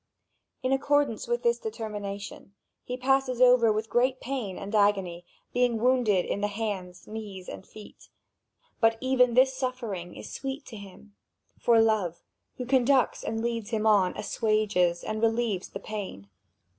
In accordance with this determination, he passes over with great pain and agony, being wounded in the hands, knees, and feet. But even this suffering is sweet to him: for Love, who conducts and leads him on, assuages and relieves the pain.